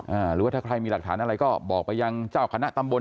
หรือว่าถ้าใครมีหลักฐานอะไรก็บอกไปยังเจ้าคณะตำบล